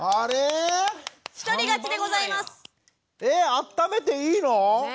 あっためていいの？